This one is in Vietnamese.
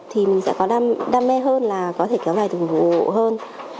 thì mình sẽ có đam mê hơn là có thể kéo dài từng hộ hơn